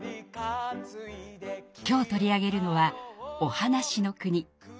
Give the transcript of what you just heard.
今日取り上げるのは「おはなしのくに」。